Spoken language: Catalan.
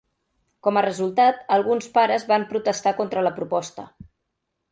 Com a resultat, alguns pares van protestar contra la proposta.